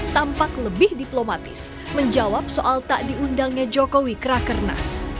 tampak lebih diplomatis menjawab soal tak diundangnya jokowi ke rakernas